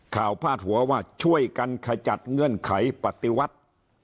พาดหัวว่าช่วยกันขจัดเงื่อนไขปฏิวัติ